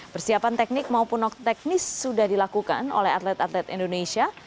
persiapan teknik maupun non teknis sudah dilakukan oleh atlet atlet indonesia